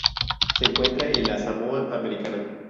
Se encuentra en la Samoa Americana.